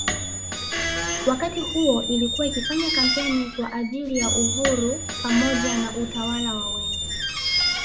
Wakati huo ilikuwa ikifanya kampeni kwa ajili ya uhuru pamoja na utawala wa wengi